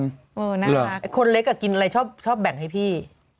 น่ารักคนเล็กกินอะไรชอบแบ่งให้พี่